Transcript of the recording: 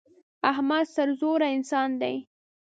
احمد سرزوره انسان دی.